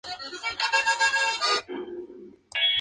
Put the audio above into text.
Tienen patas largas de color amarillo claro.